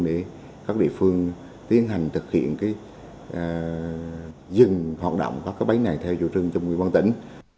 để các địa phương tiến hành thực hiện cái dừng hoạt động các cái bấy này theo dự trưng chung với văn tỉnh